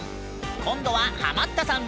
今度はハマったさん